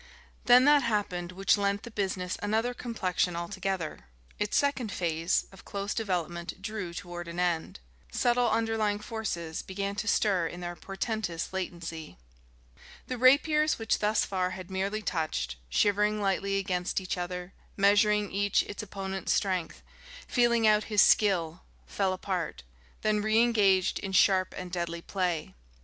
Then that happened which lent the business another complexion altogether. Its second phase, of close development, drew toward an end. Subtle underlying forces began to stir in their portentous latency. The rapiers which thus far had merely touched, shivering lightly against each other, measuring each its opponent's strength, feeling out his skill, fell apart, then re engaged in sharp and deadly play.